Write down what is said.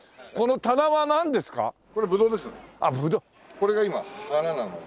これが今花なので。